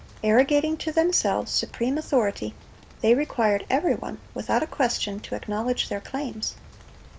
Arrogating to themselves supreme authority, they required every one, without a question, to acknowledge their claims.